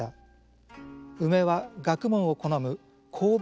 梅は学問を好む好文